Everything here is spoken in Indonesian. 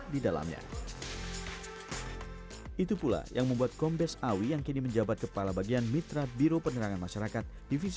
dan itu adalah untuk menjadi distinktif